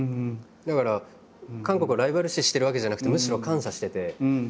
だから韓国をライバル視してるわけじゃなくてむしろ感謝してて。